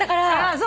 そう。